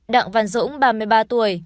đặng văn dũng ba mươi ba tuổi